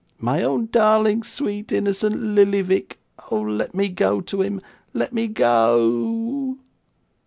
'My own darling, sweet, innocent Lillyvick Oh let me go to him. Let me go o o o!